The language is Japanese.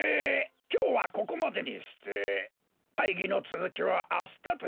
きょうはここまでにしてかいぎのつづきはあしたということで。